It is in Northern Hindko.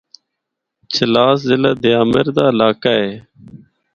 چلاس ضلع دیامر دا علاقہ ہے۔